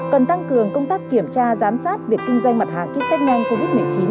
cần tăng cường công tác kiểm tra giám sát việc kinh doanh mặt hàng kích tết nhanh covid một mươi chín